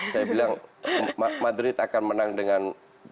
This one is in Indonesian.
saya bilang madrid akan menang dengan dua